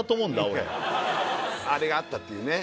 俺あれがあったっていうね